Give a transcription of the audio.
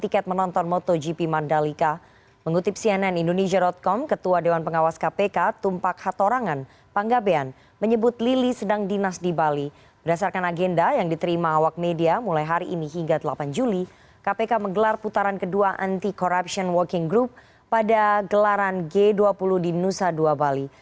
kpk menggelar putaran kedua anti corruption working group pada gelaran g dua puluh di nusa dua bali